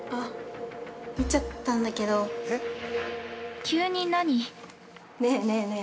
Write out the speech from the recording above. ◆見ちゃったんだけど◆ねえねえね